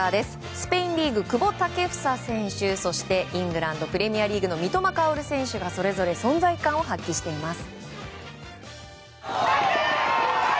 スペインリーグ、久保建英選手そしてイングランド・プレミアリーグ三笘薫選手がそれぞれ存在感を発揮しています。